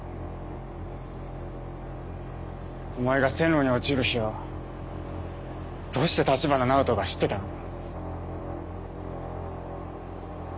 お前が線路に落ちる日をどうして橘直人が知ってたのか。